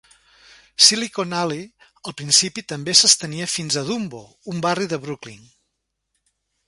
Silicon Alley al principi també s'estenia fins a Dumbo, un barri de Brooklyn.